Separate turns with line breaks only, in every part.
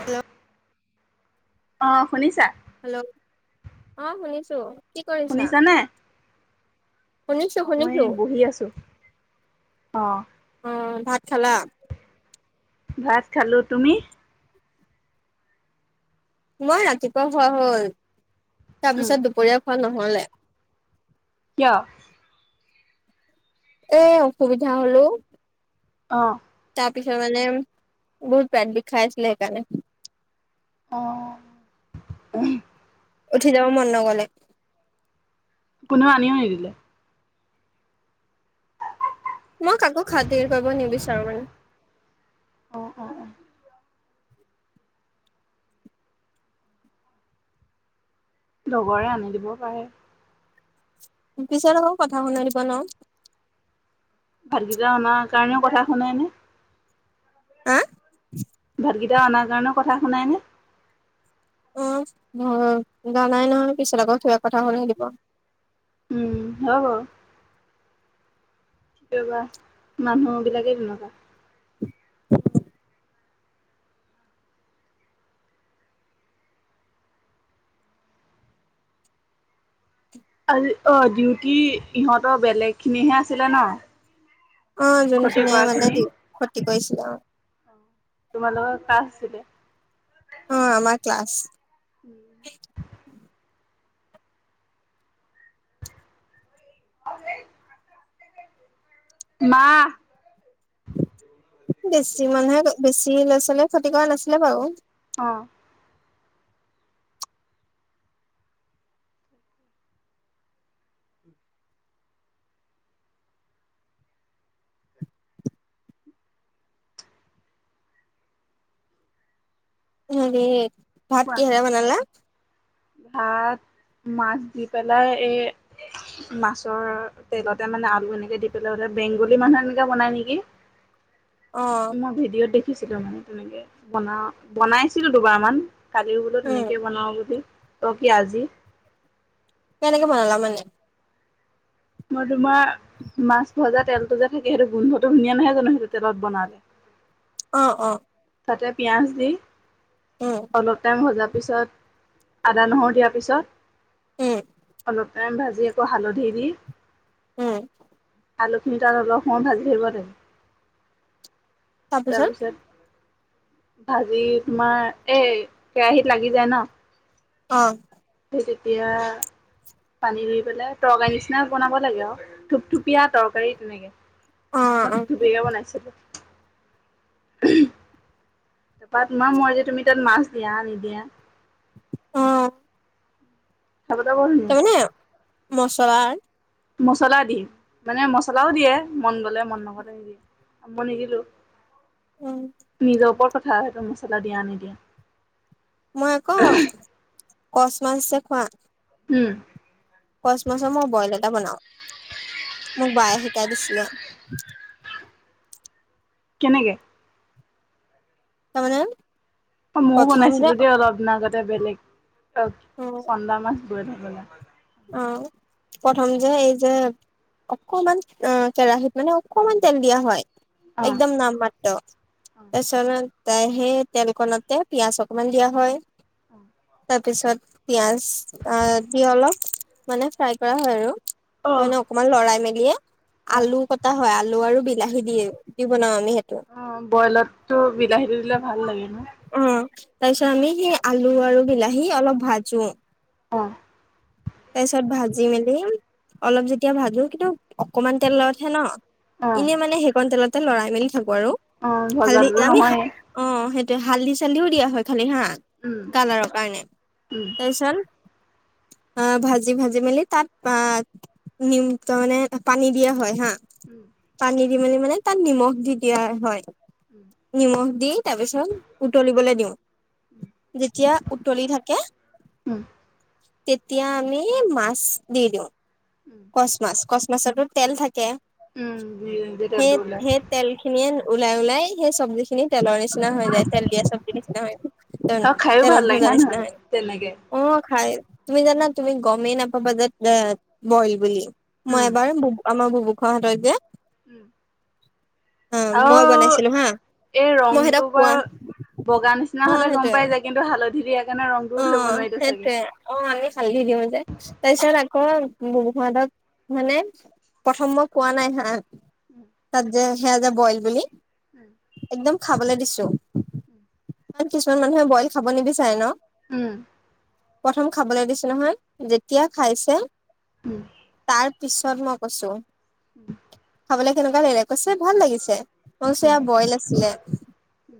Hello
অ শুনিছা
hello অ শুনিছো কি কৰিছা?
শুনিছানে
শুনিছো
মই
শুনিছো
বহি আছো অ
অ ভাত খালা?
ভাত খালো তুমি
মই ৰাতিপুৱা খোৱা হল
উম
তাৰপিছত দুপৰীয়া খোৱা নহলে
কিয়?
এ অসুবিধা হলো
অ
তাৰ পিছত মানে বহুত পেট বি খাই আছিলে সেইকাৰণে
অ উ
উঠি যাব মন নগলে।
কোনেও আনিও নিদিলে।
মই কাকো খাতিৰ কৰিব নিবিচাৰো মানে
অহ অ অ লগৰে আনি দিব পাৰে।
পিছত আকৌ কথা শুনাই দিব ন
ভাতকেইটা অননা কাৰণেও কথা শুনাই নে
আ?
ভাতকেইটা অনাৰ কাৰণেও কথা শুনাই নে?
ম জোৱা নাই নহয় পিছত আকৌ থা কথা হলে দিব।
উম হ কেবা মানুহ বিলাকেই তেনেকুৱা।
[inaudible]
আজি অ ডিউটি ইহঁতৰ বেলেগ খিনিহে আছিলে ন?
অ
ক্ষতি কৰা
যোনখিনিয় মানে
খিনি
দি কতি কৰিছিলে অ।
তোমালোকৰ ক্লাছ আছিলে?
অ আমাৰ ক্লাছ
[unintelligible] মা।
বেছি মানুহে বেছি ল'ৰা ছোৱালীয়ে খতি কৰা নাছিলে বাৰু।
অ।
হে ভাত
কোৱা
কিহেৰে বনালা?
ভাত মাছ দি পেলাই এ মাছৰ তেলতে মানে আলু এনেকে দি পেলাই হলে বেংগলী মানুহে এনেকে বনাই নেকি?
[inaudible]
মই ভিডিঅ'ত দেখ শিকিছিলো মানে তেনেকে বনা বনাইছিলো দুবাৰ মান কালি বোলো
উম
তেনেকেই বনাও বুলি। অ কি আজি।
কেনেকে বনালা মানে?
মই তোমাৰ মাছ ভজা তেলতটো যে থাকে সেইটো গোন্ধটো ধুনীয়া নহয় জানো সেইটো তেলত বনালো।
অ অ।
তাতে পিঁয়াজ দি
উম
অলপ টাইম ভজা। তাৰপিছত আদা নহৰু দিয়াৰ
উম
পিছত। অলপ টাইম ভাজি আকৌ হালধি দি
উম।
আলুখিনি তাত অলপ সময় ভাজি থাকিব লাগে।
তাৰ পিছত?
তাৰপিছত ভাজি তোমাৰ এ কেৰাহীত লাগি যায় ন।
অ।
সেই তেতিয়া পানী দি পেলাই তৰকাৰী নিচিনা বনাব লাগে আৰু থুপথুপীয়া তৰকাৰী তেনেকে।
অ
মই তো
অ
থুপ থূপিয়াকে বনাইছিলো।
[inaudible]
তাৰপা তোমাৰ মৰজি তুমি তাত মাছ দিয়া নিদিয়া।
অহ।
তব ব ন [unintelligible]
মছলা
মছলা দি মানে মছলাও দিয়ে মন গলে মন নগলে দিয়ে। অঁ মই নিদিলো
উম
নিজৰ ওপৰত কথা সেইটো মছলা দিয়া নিদিয়া।
মই আকৌ কচ মাছ যে খোৱা।
উম।
কচ মাছৰ মই বইল এটা বনাওঁ মোক বায়ে শিকাই দিছিলে।
কেনেকে?
তা মানে [unintelligible]
অ ময়ও বনাইছিলো দেই অলপ দিন আগতে বেলেগ চন্দা মাছ। বলে বলে
আহ প্ৰথম যে এই যে অকমান কেৰাহীত মানে অকমান তেল দিয়া হয়।
অ
একদম নাম মাত্ৰ এ তাই সেই তেল কনতে পিয়াজ অকমান দিয়া হয়।
অ
তাৰপিছত পিয়াজ হালধি অলপ মানে ফ্ৰাই কৰা হয় আৰু
অ
ত
অ
মানে অকমান লৰাই মেলিয়ে
হয়
আলু কটা হয় আলু আলু আৰু বিলাহী দিয়ে ৰুতি বনাও আমি সেইটো
অ বইলত টো বিলাহীতটো দিলে ভাল লাগে। ন
অ তাৰপিছত আমি সেই আলু আৰু বিলাহী অলপ ভাজো
অ
তাৰপিছত ভাজি মেলি অলপ যেতিয়া ভাজো কিন্তু অকমান তেলতহে ন
অ
এনেই মানে সেইকণ তেলতে লৰাই মেলি
অ ভজাটো
থাকো আমি
নহয়ে
সা হাল্ধি চাল্দিও দিয়া হয় খালি হা
উম
কালাৰৰ কাৰণে
উম
তাৰিছত অ ভাজি ভাজি মেলি তাত আ নিম তাৰ মানে পানী দিয়া হয় হা
উম
পানী দি মেলি মানে তাত নিমখ দি দিয়া হয় নিমখ দি তাৰ পিছত উতলিবলৈ দিওঁ যেতিয়া উতলি থাকে
উম উম
এতিয়া আমি মাছ দি দিওঁ কচ মাছ কচ মাছতো তেল থাক
উম উম যে
সেই
তেলটো ওলাই
সেই তেল খিনিয়ে ওলাই ওলাই সেই চব্জি খিনি তেলৰ নিচিনা হৈ যায় তেল দিয়া চব্জি নিচিনা হৈ যায়
আৰু খাইও ভাল
তেলত
লাগে
ভজা
হয়
নিচিনা
নহয়
হৈ য
তেনেকে
অ খাই তুমি জানা তুমি গমেই নাপাবা যে বইল বুলি মই এবাৰ ব আমাৰ বুবু খুৰা হতৰ যে
উম
অ
আৰু
মই বনাইছিলো হা
এই
মই সিহঁতক
ৰংটো
কোৱা
বাৰ বগা নিচিনা
অ
হলে গম
সেইটোয়ে
পাই যায় কিন্তু হালধিৰে এক
অ সেইটোৱে অ আমি ফালি দিওঁ যে
উম
তাৰপিছত আকৌ বোহুৱাদক মানে প্ৰথম মই কোৱা নাই হা তাত যে সেয়া যে বইল বুলি
উম
একদম খাবলৈ দিছো
উম
ইমান কিছুমান মানুহে বইল খাব নিবিচাৰে ন
উম
প্ৰথম খাবলৈ দিছো নহয় যেতিয়া খাইছে
উম
তাৰ পিছত মই কৈছোঁ
উম
খবলে কেনেকুৱা লাগলে কৈছে ভাল লাগিছে ম
উম
চয়া বইল আছিলে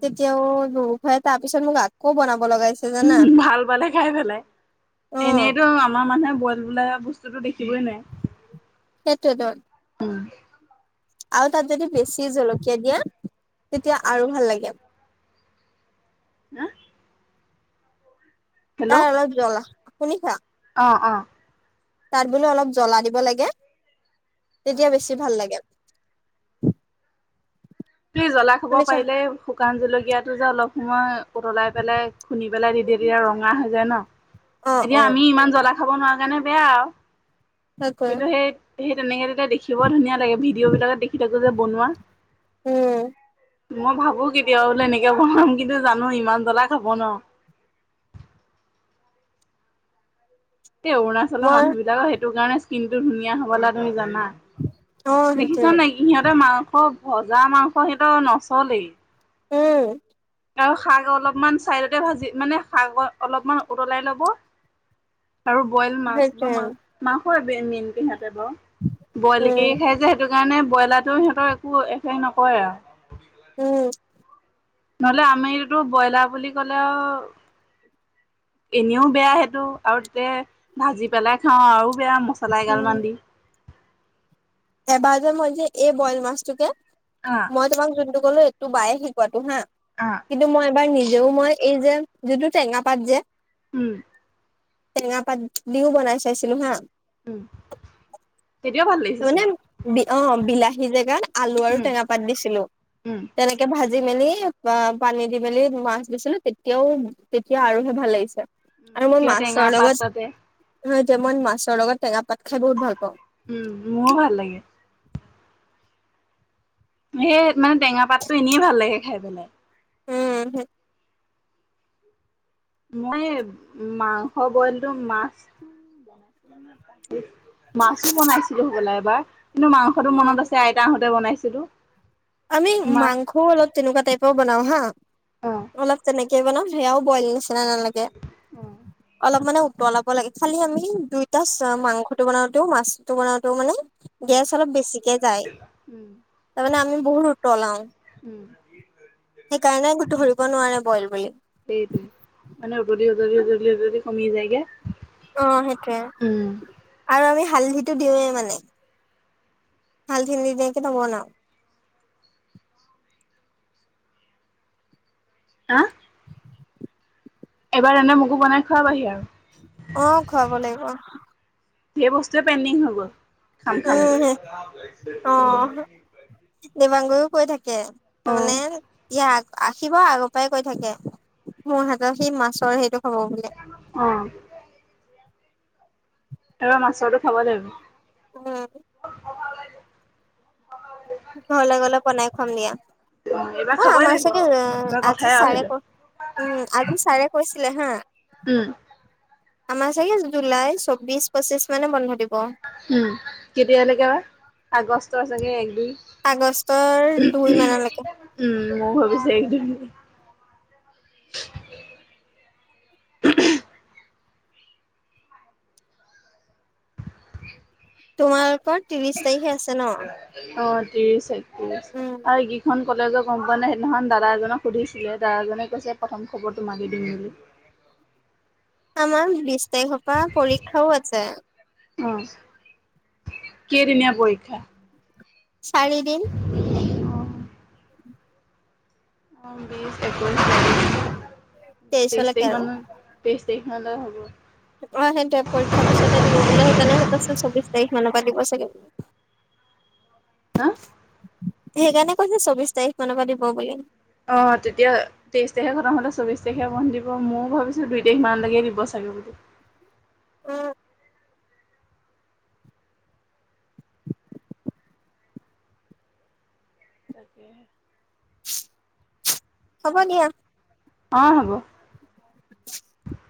তেতিয়াও বুবু খুৰাই তাৰ পিছত মোক আকৌ বনাব ব লগাইছে জানা
উম, ভাল পালে খাই পেলাই
অ',
এনেইতো আমাৰ মানুহে বইল বোলা বস্তুতো দেখিবই নোৱাৰে
সেইটোৱেটো
উম
আৰু তাত যদি বেছি জলকীয়া দিয়া তেতিয়া আৰু ভাল লাগে [inaudible]
হা হেল্ল'
তাৰ অলপ জ্বলা শুনিছা
অ অ
তাত বোলো অলপ জ্বলা দিব লাগে তেতিয়া বেছি ভাল লাগে
সেই জ্বলা খাব
শুনিছা
পাৰিলে শুকান জলকীয়াটো যে অলপ মই উতলাই পেলাই খুন্দি পেলাই দি দিয়ে ৰঙা হৈ যায় ন
অ
এতিয়া
অ
আমি ইমান জ্বলা খাব নোৱাৰা কাৰণে বেয়া আৰু
তে
কিন্তু সেই সেই তেনেকে তেতিয়া দেখিব ধুনীয়া লাগে ভিডিঅ' বিলাকত দেখি থাকো যে বনোৱা
উম
মই ভাবো কেতিয়াবা বোলে এনেকে বনাম কিন্তু জানো ইমান জ্বলা খাব নোৱাৰোঁ
[inaudible]
এ অৰুণাচলৰ
মই
মানুহ বিলাকৰ সেইটো কাৰণে স্ক্ৰীনটো ধুনীয়া হবলা তুমি জানা
অ
ন
সেইটোৱে
দেখিছ নেকি সিহঁতে মাৰে ব ভজা মাংস সেইটো নচলে
উম
আৰু শাক অলপমান চাইডতে ভাজি মানে শাক অলপমান উতলাই ল'ব আৰু বইল মাছ বা
সেইটোৱে
মাংস মাংস মেইনক সিহঁতে বাৰু বইল কে
উম
খাই যে সেইটো সেইকাৰণে ব্ৰইলাৰ টো সিহঁতৰ একো এফেক্ট নকৰে আৰু
উম
নহলে আমি এইটো ব্ৰইলাৰ বুলি ক'লে আও এনেও বেয়া সেইটো আৰু তাতে ভাজি পেলাই খাওঁ আৰু বেয়া মছলা
উম।
এগালমান দি
এবাৰ যে মই যে এই বইল মাছটোকে
অ',
মই তোমাক যদি ক'লো এইটো বায়ে শিকোৱাটো হা
অ',
কিন্তু মই এবাৰ নিজেও মই এই যে যোনটো টেঙা পাত যে
উম
টেঙা পাত দিও বনাই চাইছিলো হা
উম তেতিয়াও ভাল লাগিছে
মানে
চাগে।
অ বিলাহী জেগাত আলু আৰু
উম,
টেঙা পাত দিছিলো
উম।
তেনেকে ভাজি ভাজি মেলি অ পানী দি মেলি মাছ দিছিলো তেতিয়াও তেতিয়া আৰুহে ভাল লাগিছে
উম কিয় টেঙা পাততে
হয় এতিয়া মই মাছৰ লগত টেঙা পাত খাই বহুত ভাল পাওঁ।
উম, মোৰো ভাল লাগে। সেই মানে টেঙা পাতটো এনেই ভাল লাগে খাই পেলাই।
উম হু
মই মাংস বইলটো মাছ বনাইলটো মাছ। মাছো বনাইছিলো হবলা এবাৰ কিন্তু মাংসটো মনত আছে আইতাহত বনাইছিলো
আমি
মাছ
মাংসও অলপ তেনেকোৱা টাইপৰ বনাও। হা
অ',
অলপ তেনেকে বনাও সেয়াও বইল ন তিতা নালাগে
অ',
অলপ মানে ওতলাব লাগে খালি আমি দুইটা মাংসটো বনাওতেও মাছটো বনাওঁতেও মানে
উম,
গেছ অলপ বেছিকে যায়
উম।
তাৰমানে আমি বহুত উতলাও
উম,
সেই কাৰণে গোটো ধৰিব নোৱাৰে বইল বুলি।
তে যদি কমি যায়গে।
অ সেইটোৱে
উম,
আৰু আমি হালধিটো দিওঁৱে মানে হালধি নিদিয়াকে নবনাও [inaudible]
আহ এবাৰ তেনে মগু বনাই খুৱাবাহি আৰু
অ', খুৱাব লাগিব
সেই বস্তুে পেণ্ডিং হব খাম
উম,
খাম
দেবাংগও কৈ থাকে
অ',
তাৰমানে ইয় আহিব আগৰ পৰাই কৈ থাকে মোৰ হাতৰ সি মাছৰ সেইটো খাব বোলে
অ এইবাৰ মাছটো খাব লাগিব।
আহ ঘৰলে গলে বনাই খুৱাম দিয়া।
এইবাৰ
অ
খাবই
আমাৰ
লাগিব
চাগে
এইবাৰ
আজি
কথাই আৰু
চাৰে
সেইটো।
ক উম আজি চাৰে কৈছে ছিলে হা
উম
আমাৰ চাগে জুলাই চৌবিশ পচিশছ মানে বন্ধ থাকিব।
উম কেতিয়ালৈকে আগষ্টৰ চাগে একদিন।
আগষ্টৰ দুই মানলৈকে
উম মই ভাবিছে একদম। [unintelligible]
তোমালোকৰ ত্ৰিশ তাৰিখে আছে ন।
অ ত্ৰিশ একত্ৰিশ
উম
আৰু কেইখন। কলেজৰ গম পোৱা নাই সেইদিনাখন দাদা এজনক সুধিছিলে দাদাজনে কৈছে প্ৰথম খবৰটো তোমাক দিম বুলি।
আমাৰ বি তাৰিখৰ পৰা পৰীক্ষাও আছে।
অ কদিনীয়া পৰীক্ষা।
চাৰি দিন। উম।
অ বিশ একৈশি তেইশ
তেইশলৈকে
তাৰিখ
আৰু
মানৰ তেইশ। তেহলেও হ'ব।
অ সেইটোৱে পৰীক্ষা পিছতে দিব বোলে সেইকাৰণে চৌবিশ তাৰিখ। জননেৱা দিব চাগে।
হা।
সেইকাৰণে কৈছে চৌবিশ তাৰিখ মানৰ পৰা দিব বুলি।
অ তেতিয়া তেইশ তাৰিখে কথা হলে চৌবিশ তাৰিখে বন্ধ দিব ময় ভিছো দুই তাৰিখ মানলৈকে দিব চাগে। [unintelligible]
[unintelligible]
তাকে
হব দিয়া।
অ হব।
[unintelligible]